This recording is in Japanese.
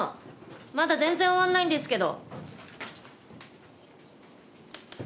まだ全然終わんないんですけど。